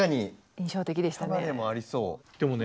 印象的でしたね。